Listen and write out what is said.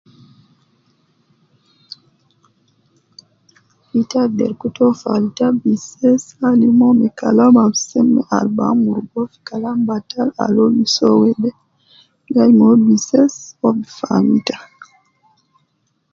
Ita agder kutu uwo falta bises alim uwo me kalam al seme al bi amurugu uwo fi kalam batal al uwo gi soo wede, gai me uwo bises, uwo bi faam ita